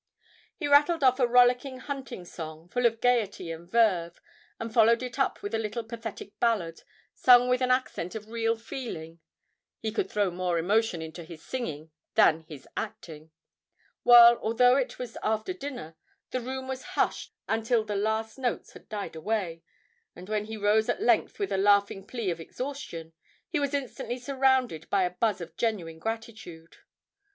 He rattled off a rollicking hunting song, full of gaiety and verve, and followed it up with a little pathetic ballad, sung with an accent of real feeling (he could throw more emotion into his singing than his acting), while, although it was after dinner, the room was hushed until the last notes had died away, and when he rose at length with a laughing plea of exhaustion, he was instantly surrounded by a buzz of genuine gratitude.